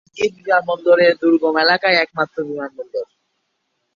গিলগিত বিমানবন্দর এই দুর্গম এলাকার একমাত্র বিমানবন্দর।